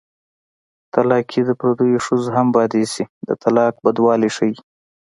طلاقي د پردو ښځو هم بد ايسي د طلاق بدوالی ښيي